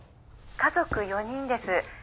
家族４人です。